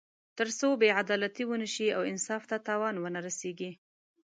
تر څو بې عدالتي ونه شي او انصاف ته تاوان ونه رسېږي.